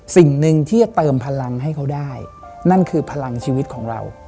สิ่งหนึ่งที่จะเติมพลังให้เขาได้นั่นคือพลังชีวิตของเรา